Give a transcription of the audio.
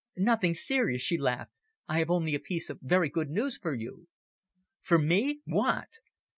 "Nothing serious," she laughed. "I have only a piece of very good news for you." "For me what?"